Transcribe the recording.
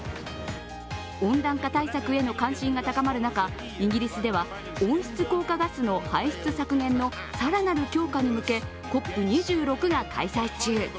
温暖化対策への関心が高まる中、イギリスでは温室効果ガスの排出削減の更なる強化に向け、ＣＯＰ２６が開催中。